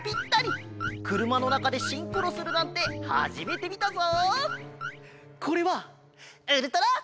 くるまのなかでシンクロするなんてはじめてみたぞ！